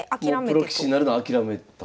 プロ棋士になるのを諦めた？